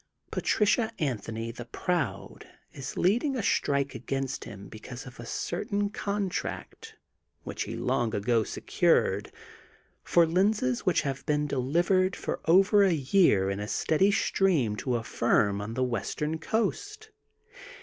Patricia Anthony, the Proud, is leading a strike against him because of a certain con tract, which he long ago secured, for lenses which have been delivered for over a year in a steady stream to a firm on the western coast.